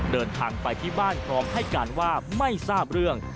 เดินทางไปที่บ้านพร้อมให้การว่าไม่ทราบเรื่อง